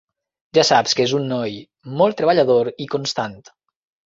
Ja saps que és un noi molt treballador i constant.